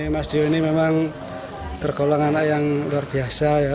mas dio ini memang tergolong anak yang luar biasa ya